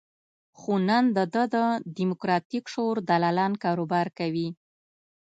خو نن د ده د دیموکراتیک شعور دلالان کاروبار کوي.